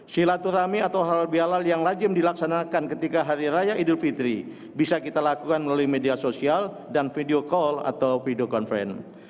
silaturahmi atau halal bihalal yang lazim dilaksanakan ketika hari raya idul fitri bisa kita lakukan melalui media sosial dan video call atau video conference